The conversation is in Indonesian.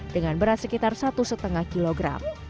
dengan beras sekitar satu lima kilogram